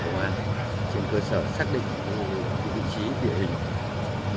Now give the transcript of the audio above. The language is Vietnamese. đã triển khai lực lượng cứu hộ của công an trên cơ sở xác định vị trí địa hình